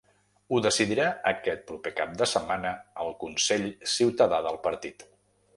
Ho decidirà aquest proper cap de setmana el consell ciutadà del partit.